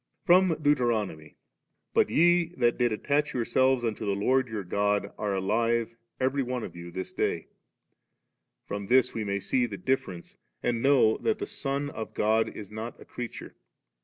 5* From Deuteronomy; 'But ye that did atladi yourselves unto the Lord your God are alive every one of you this day «.' From this we may see the difference, and know that the Son of God is not a creature.